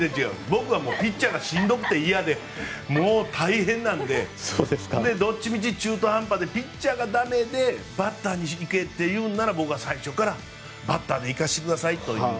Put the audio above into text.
僕はピッチャーがしんどくて嫌でもう大変なのでどっちみち、中途半端でピッチャーが駄目でバッターに行けというなら僕は最初からバッターで行かせてくださいと。